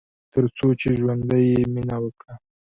تر څو چې ژوندی يې ، مينه وکړه